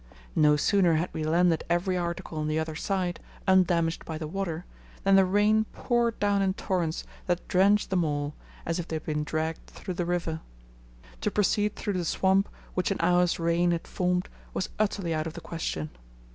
No sooner had we landed every article on the other side, undamaged by the water, than the rain poured down in torrents that drenched them all, as if they had been dragged through the river. To proceed through the swamp which an hour's rain had formed was utterly out of the question.